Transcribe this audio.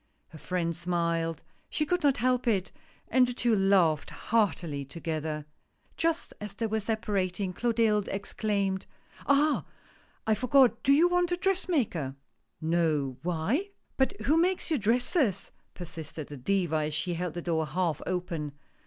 Her friend smiled, she could not help it, and the two laughed heartily together. Just as they were separa ting Clotilde exclaimed :" Ah ! I forgot, do you want a dress maker ?"" No — why?" "But who makes your dresses?" persisted the Diva as she held the door half open.